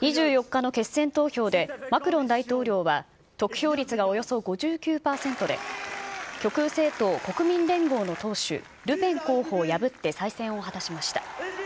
２４日の決選投票で、マクロン大統領は得票率がおよそ５９％で、極右政党、国民連合の党首、ルペン候補を破って再選を果たしました。